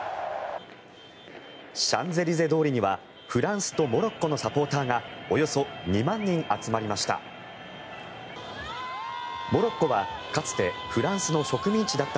シャンゼリゼ通りにはフランスとモロッコのサポーターがおよそ２万人集まりました。